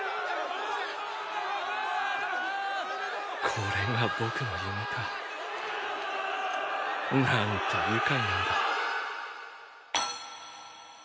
これが僕の夢か。なんて愉快なんだ。